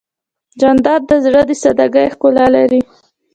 جانداد د زړه د سادګۍ ښکلا لري.